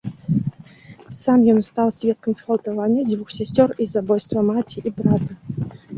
Сам ён стаў сведкам згвалтавання дзвюх сясцёр і забойства маці і брата.